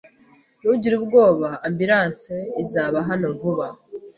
Ntugire ubwoba. Ambulanse izaba hano vuba.